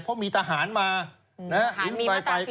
เพราะมีทหารมาอืมทหารมีมาตรา๔๔